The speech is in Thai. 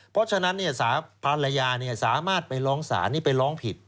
เพราะฉะนั้นภรรยาสามารถไปร้องศาลนี่ไปร้องผิด